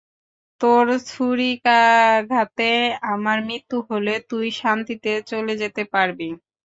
তোর ছুরিকাঘাতে আমার মৃত্যু হলে, তুই শান্তিতে চলে যেতে পারবি।